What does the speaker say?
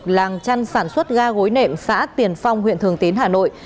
làng chăn sản xuất ga gối nệm xã tiền phong huyện thường tín hà nội